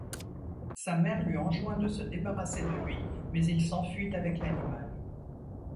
Sa mère lui enjoint de se débarrasser de lui, mais il s'enfuit avec l'animal.